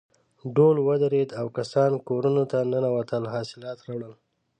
ډول ودرېد او کسان کورونو ته ننوتل حاصلات راوړل.